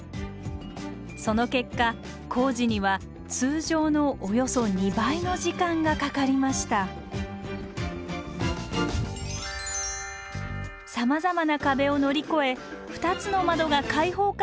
その結果工事には通常のおよそ２倍の時間がかかりましたさまざまな壁を乗り越え２つの窓が開放感をもたらす台形の個室が完成しました